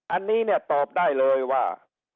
อันนี้เนี่ยตอบได้เลยว่า